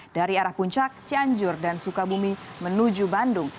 dari arah puncak cianjur dan sukabumi menuju bandung